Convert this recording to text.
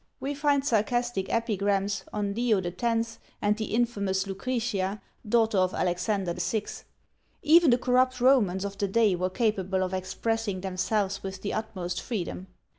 We find sarcastic epigrams on Leo X., and the infamous Lucretia, daughter of Alexander VI.: even the corrupt Romans of the day were capable of expressing themselves with the utmost freedom.